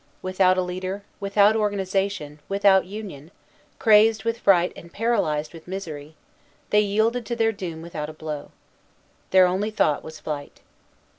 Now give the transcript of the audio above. Without a leader, without organization, without union, crazed with fright and paralyzed with misery, they yielded to their doom without a blow. Their only thought was flight.